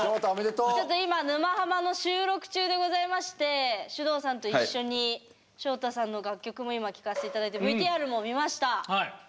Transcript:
ちょっと今「沼ハマ」の収録中でございましてｓｙｕｄｏｕさんと一緒にしょうたさんの楽曲も今聴かせて頂いてＶＴＲも見ました！